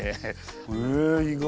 へえ意外。